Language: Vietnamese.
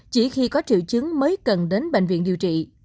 chỉ khi có triệu chứng mới cần đến bệnh viện điều trị